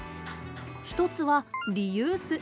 一つはリユース。